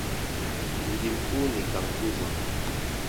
Mji mkuu ni Cankuzo.